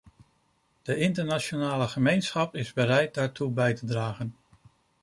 De internationale gemeenschap is bereid daartoe bij te dragen.